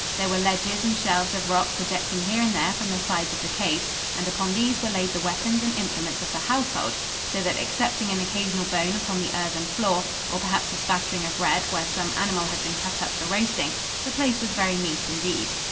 There were ledges and shelves of rock projecting here and there from the sides of the cave, and upon these were laid the weapons and implements of the household, so that, excepting an occasional bone upon the earthen floor, or, perhaps, a spattering of red, where some animal had been cut up for roasting, the place was very neat indeed.